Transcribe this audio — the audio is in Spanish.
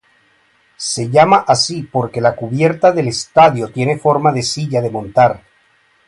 Se llama así porque la cubierta del estadio tiene forma de silla de montar.